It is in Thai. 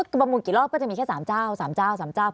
ประมูลกี่รอบก็จะมีแค่๓เจ้า๓เจ้า๓เจ้า